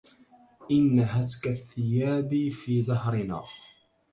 إن هتك الثياب في دهرنا